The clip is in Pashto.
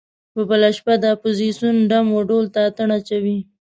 په بله پښه د اپوزیسون ډم و ډول ته اتڼ اچوي.